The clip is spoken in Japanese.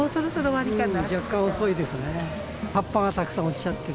若干遅いですね。